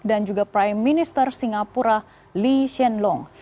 dan juga prime minister singapura lee hsien loong